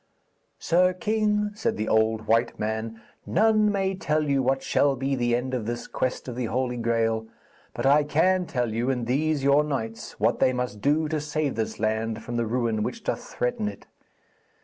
'Sir king,' said the old white man, 'none may tell you what shall be the end of this quest of the Holy Graal, but I can tell you and these your knights what they must do to save this land from the ruin which doth threaten it.